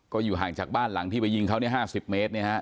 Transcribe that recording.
ก็อยู่ห่างจากบ้านหลังที่ไปยิงเขา๕๐เมตร